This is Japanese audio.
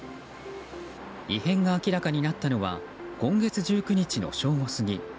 異変が明らかになったのは今月１９日の正午過ぎ。